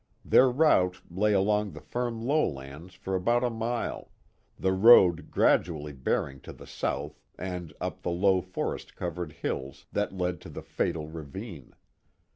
Their route lay along the firm lowlands for about a mile, the road gradually bearing to the south and up the low forest covered hilU that led to the fatal ravine.